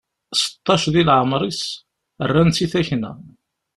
Seṭṭac di leɛmer-is, rran-tt i takna!